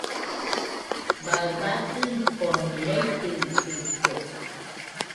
Baɨ batɨnokoni raitɨitɨkue.